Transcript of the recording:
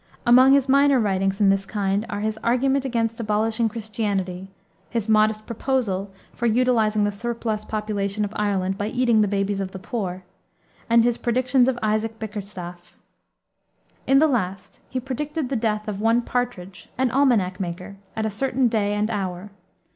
Among his minor writings in this kind are his Argument against Abolishing Christianity, his Modest Proposal for utilizing the surplus population of Ireland by eating the babies of the poor, and his Predictions of Isaac Bickerstaff. In the last he predicted the death of one Partridge, an almanac maker, at a certain day and hour.